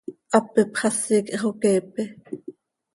Hap ipxasi quih hxoqueepe.